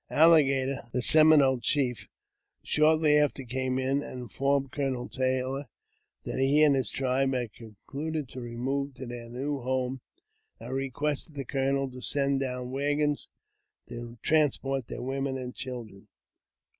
Alligator, the Seminole Chief, shortly after came in, and in formed Colonel Taylor that he and his tribe had concluded to remove to their new home, and requested the colonel to send down waggons to transport their women and children.